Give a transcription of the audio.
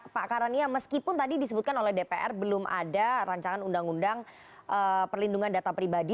pak karania meskipun tadi disebutkan oleh dpr belum ada rancangan undang undang perlindungan data pribadi